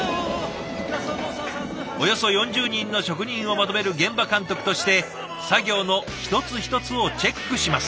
およそ４０人の職人をまとめる現場監督として作業の一つ一つをチェックします。